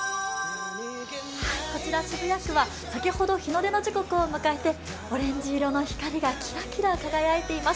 こちら渋谷区は先ほど日の出の時刻を迎えてオレンジ色の光がキラキラ輝いています。